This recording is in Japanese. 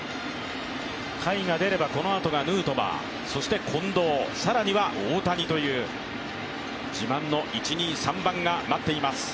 甲斐が出ればこのあとがヌートバー、近藤、更には大谷という自慢の１、２、３番が待っています。